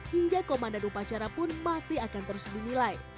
hingga komandan upacara pun masih akan terus dinilai